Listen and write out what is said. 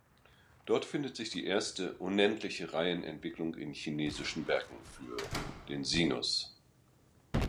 Dort findet sich die erste unendliche Reihenentwicklung in chinesischen Werken (für den Sinus).